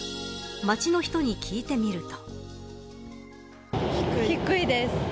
街の人に聞いてみると。